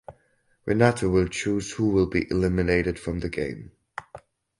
Renato will choose who will be eliminated from the game.